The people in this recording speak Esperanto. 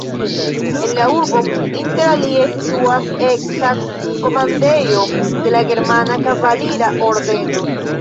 En la urbo interalie situas eksa komandejo de la Germana Kavalira Ordeno.